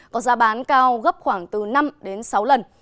có giá bán cao gấp khoảng từ năm đến sáu lần